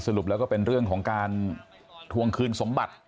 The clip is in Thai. รุปแล้วก็เป็นเรื่องของการทวงคืนสมบัติ